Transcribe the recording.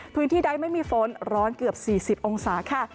พื้นที่ใดไม่มีฝนร้อนเกือบ๔๐องศาค่ะ